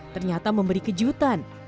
ternyata memberi kejutan